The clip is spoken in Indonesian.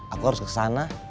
aku harus ke sana